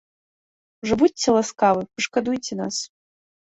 Ужо будзьце ласкавы, пашкадуйце нас.